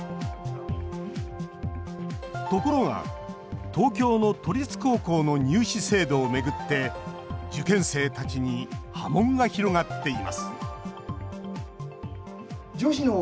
ところが、東京の都立高校の入試制度をめぐって受験生たちに波紋が広がっています